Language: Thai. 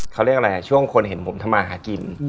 เขาเรียกอะไรช่วงคนเห็นผมทำมาหากิน